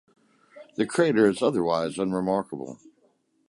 The crater is otherwise unremarkable.